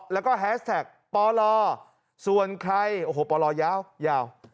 แล้วก็แฮสแท็กปลส่วนใครโอ้โหปลยาวยาว